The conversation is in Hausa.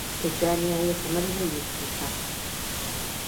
Tijjani yayi kamar zaiyi kuka.